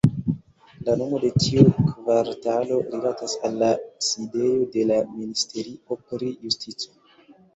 La nomo de tiu kvartalo rilatas al la sidejo de la Ministerio pri Justico.